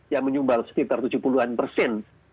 yang menyumbang sekitar tujuh puluh an persen